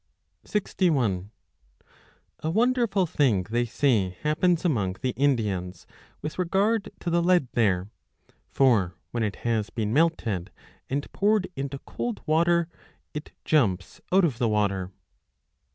61 A wonderful thing they say happens among the Indians with regard to the lead there ; for when it has been melted and poured into cold water it jumps out of the water.